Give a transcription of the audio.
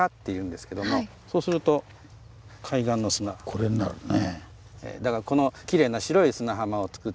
これになるね。